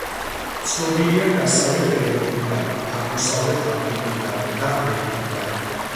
ცნობილია დასავლეთ ევროპიდან, აღმოსავლეთ აფრიკიდან და ამერიკიდან.